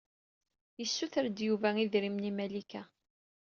Yssuter-d Yuba idrimen i Malika.